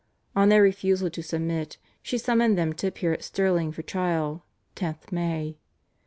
On their refusal to submit she summoned them to appear at Stirling for trial (10th May).